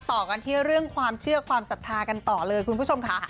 ต่อกันที่เรื่องความเชื่อความศรัทธากันต่อเลยคุณผู้ชมค่ะ